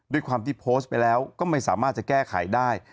ด้วยความที่โพสต์ไปแล้วก็ไม่สามารถจะแก้ไขได้